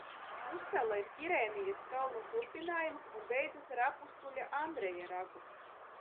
Pussala ir Kirēnijas kalnu turpinājums un beidzas ar Apustuļa Andreja ragu.